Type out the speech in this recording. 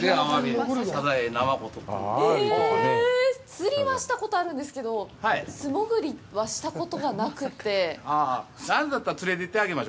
釣りはしたことあるんですけど、素潜りはしたことがなくて。